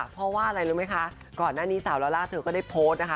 เพราะว่าอะไรรู้ไหมคะก่อนหน้านี้สาวลาล่าเธอก็ได้โพสต์นะคะ